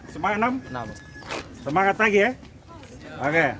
semangat enam semangat lagi ya